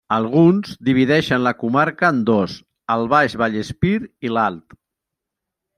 Alguns divideixen la comarca en dos, el Baix Vallespir i l'Alt.